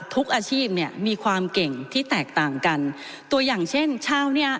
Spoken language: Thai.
อาชีพเนี่ยมีความเก่งที่แตกต่างกันตัวอย่างเช่นชาวเนี่ย